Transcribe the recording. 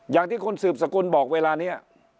อย่างที่คุณสืบสกุลบอกเวลานี้